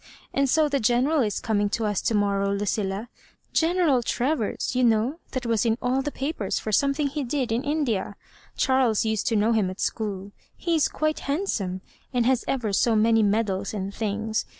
And so the Genert^ Is coming to us to morrow, Lucilla — General Trovers, you know, that was in aU the papers for something he did iu India; Charles used to know him at school He is quite handsome, and has ever so many medals and things.